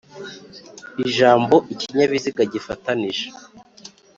Ijambo ikinyabiziga gifatanije